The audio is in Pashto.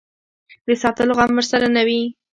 د ساتلو غم ورسره نه وي.